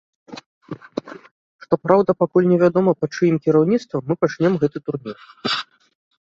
Што праўда, пакуль не вядома пад чыім кіраўніцтвам мы пачнём гэты турнір.